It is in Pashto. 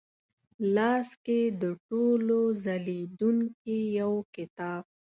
لاس کې د ټولو ځلېدونکې یوکتاب،